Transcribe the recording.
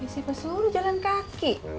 siapa suruh jalan kaki